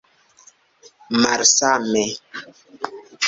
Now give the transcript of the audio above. malsame